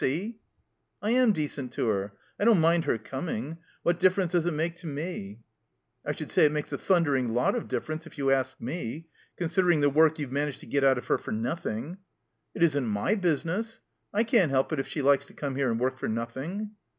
See ?" "I am decent to her. I don't mind her coming. What difference does it make to mef" "I should say it makes a thtindering lot of differ ence, if you ask me. Considering the work you've managed to get out of her for nothing." It isn't my business. I can't help it, if she likes to come here and work for nothing."